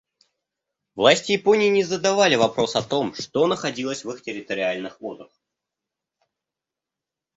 Власти Японии не задавали вопрос о том, что находилось в их территориальных водах.